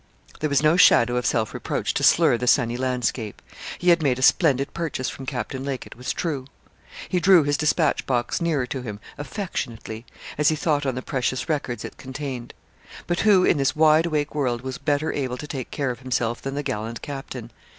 There was no shadow of self reproach to slur the sunny landscape. He had made a splendid purchase from Captain Lake it was true. He drew his despatch box nearer to him affectionately, as he thought on the precious records it contained. But who in this wide awake world was better able to take care of himself than the gallant captain?